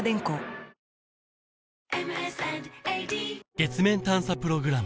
月面探査プログラム